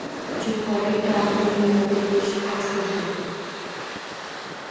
Chimxo‘rlik – taomni me’yorida yeyish – ochko‘zlik.